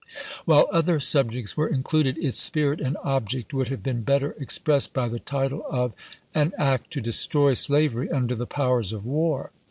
While other subjects were included, its spirit and object would have been better ex pressed by the title of "An act to destroy slavery under the powers of war."